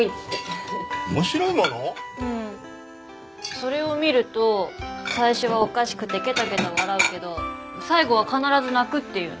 それを見ると最初はおかしくてケタケタ笑うけど最後は必ず泣くって言うの。